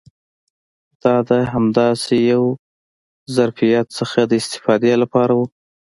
دا د همداسې یو ظرفیت څخه د استفادې لپاره و.